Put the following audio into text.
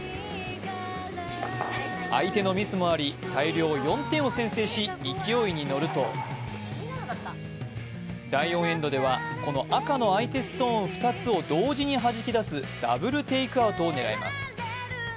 相手のミスもあり、大量４点を先制し、勢いに乗ると第４エンドではこの赤の相手ストーンを同時にはじき出すダブルテイクアウトを狙います。